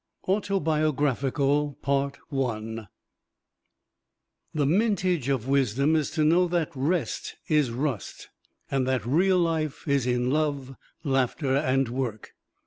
AUTOBIOGRAPHICAL The mintage of wisdom is to know that rest is rust, and that real life is in love, laughter and work.